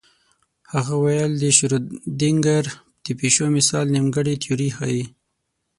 هغه ویل د شرودینګر د پیشو مثال نیمګړې تیوري ښيي.